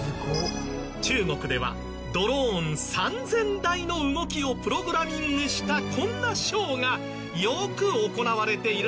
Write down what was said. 中国ではドローン３０００台の動きをプログラミングしたこんなショーがよく行われているんです。